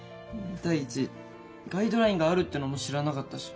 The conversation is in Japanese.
第一ガイドラインがあるってのも知らなかったし。